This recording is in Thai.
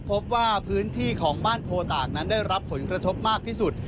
พบว่าพื้นที่ของบ้านโพตากนั้นได้รับผลกระทบมากที่สุด